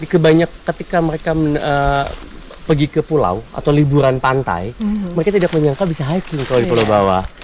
kebanyakan ketika mereka pergi ke pulau atau liburan pantai mereka tidak menyangka bisa hiking kalau di pulau bawah